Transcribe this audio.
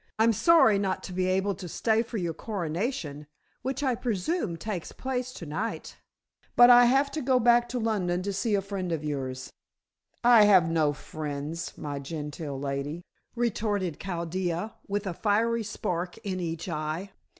"I'm sorry not to be able to stay for your coronation, which I presume takes place to night. But I have to go back to London to see a friend of yours." "I have no friends, my Gentile lady," retorted Chaldea, with a fiery spark in each eye.